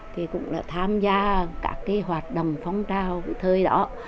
thì cũng là tham gia các cái hoạt động phong trào thời đó